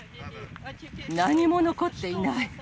何も残っていない。